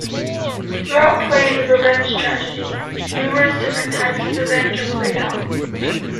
Throughout plays of Revenge Tragedy, numerous different types of revenge are played out.